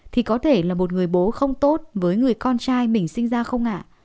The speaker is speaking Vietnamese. thì có thể là một người bố không tốt với người con trai mình sinh ra không ạ